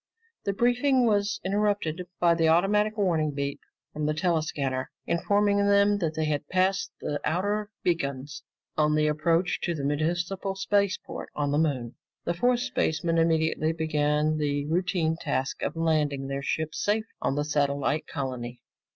The briefing was interrupted by the automatic warning beep from the tele scanner informing them that they had passed the outer beacon on the approach to the municipal spaceport on the Moon. The four spacemen immediately began the routine task of landing their ship safely on the satellite colony.